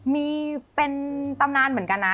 มีเป็นตำนานเหมือนกันนะ